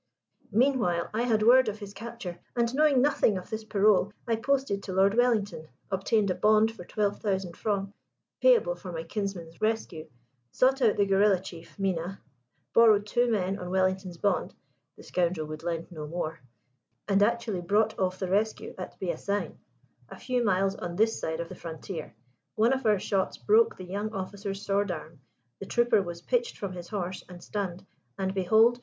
"Meanwhile I had word of his capture: and knowing nothing of this parole, I posted to Lord Wellington, obtained a bond for twelve thousand francs payable for my kinsman's rescue, sought out the guerilla chief, Mina, borrowed two men on Wellington's bond the scoundrel would lend no more and actually brought off the rescue at Beasain, a few miles on this side of the frontier. One of our shots broke the young officer's sword arm, the trooper was pitched from his horse and stunned, and behold!